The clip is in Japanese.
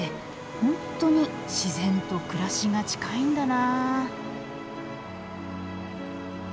本当に自然と暮らしが近いんだな。